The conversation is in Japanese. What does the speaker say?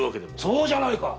そうじゃないか！